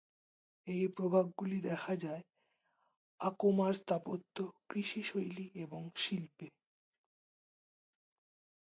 এই প্রভাবগুলি দেখা যায় আকোমার স্থাপত্য, কৃষি শৈলী এবং শিল্পে।